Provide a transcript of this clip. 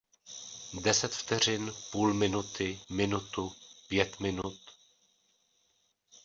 Deset vteřin, půl minuty, minutu, pět minut...